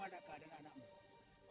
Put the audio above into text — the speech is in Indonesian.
oh ya bagaimana keadaan anakmu